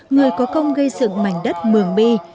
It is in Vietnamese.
người có công gây dựng mảnh đất mường bi